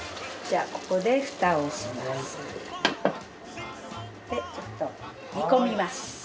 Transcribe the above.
じゃあここでフタをします。